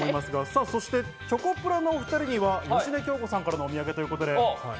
そしてチョコプラのお２人には芳根京子さんからのお土産ということで。